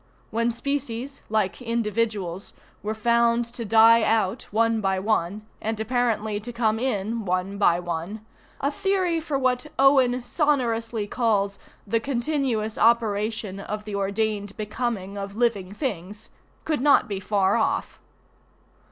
When species, like individuals, were found to die out one by one, and apparently to come in one by one, a theory for what Owen sonorously calls "the continuous operation of the ordained becoming of living things" could not be far off.